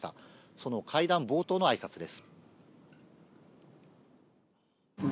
その会談冒頭のあいさつです。